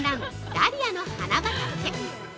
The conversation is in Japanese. ダリアの花畑。